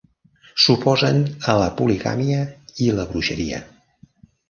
S'oposen a la poligàmia i la bruixeria.